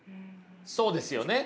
そうですよね。